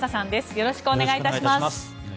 よろしくお願いします。